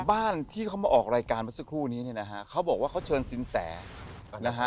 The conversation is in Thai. บ้านที่เขามาออกรายการเมื่อสักครู่นี้เนี่ยนะฮะเขาบอกว่าเขาเชิญสินแสนะฮะ